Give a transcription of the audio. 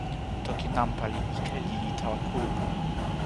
toki nanpa li ike lili tawa kulupu ni.